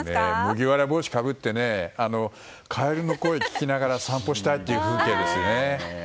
麦わら帽子をかぶってカエルの声を聞きながら散歩したい風景ですね。